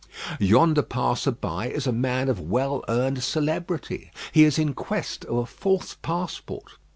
Yonder passer by is a man of well earned celebrity; he is in quest of a false passport.